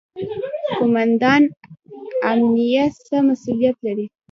قوماندان امنیه څه مسوولیت لري؟